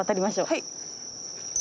はい。